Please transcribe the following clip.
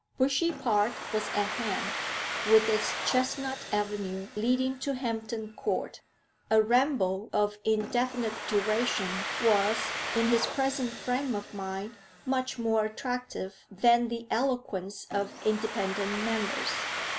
Bushey Park was at hand, with its chestnut avenue leading to Hampton Court. A ramble of indefinite duration was, in his present frame of mind, much more attractive than the eloquence of independent members.